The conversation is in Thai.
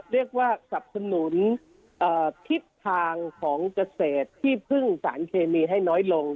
เรียกว่าสรรพนุนทิศทางของเกษตรที่พึ่งสารเคมีให้น้อยลง